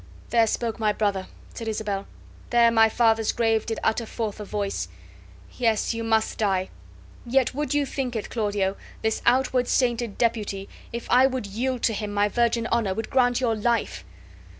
"There spoke my brother," said Isabel; "there my father's grave did utter forth a voice! Yes, you must die; yet would you think it, Claudio, this outward sainted deputy, if I would yield to him my virgin honor, would grant your life?